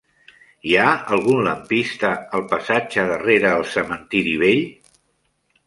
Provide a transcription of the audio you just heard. Hi ha algun lampista al passatge de Rere el Cementiri Vell?